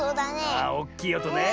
ああおっきいおとね。